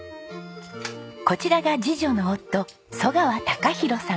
こちらが次女の夫十川昂広さん。